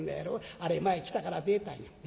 あれ前キタから出たんや」。